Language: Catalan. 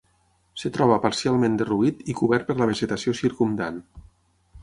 Es troba parcialment derruït i cobert per la vegetació circumdant.